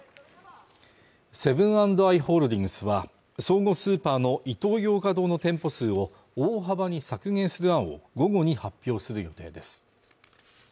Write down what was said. セブン＆アイ・ホールディングスは、総合スーパーのイトーヨーカドーの店舗数を大幅に削減する案を、午後に発表する予定です。